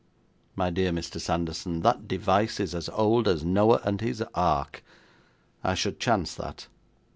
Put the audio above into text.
'My dear Mr. Sanderson, that device is as old as Noah and his ark. I should chance that.